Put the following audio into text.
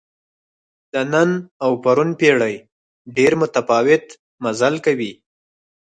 د نن او پرون پېړۍ ډېر متفاوت مزل کوي.